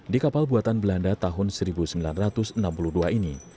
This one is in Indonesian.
di kapal buatan belanda tahun seribu sembilan ratus enam puluh dua ini